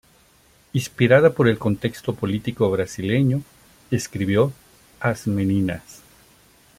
Inspirada por el contexto político brasileño, escribió "As Meninas".